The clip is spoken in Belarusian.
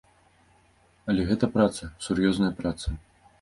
Але гэта праца, сур'ёзная праца.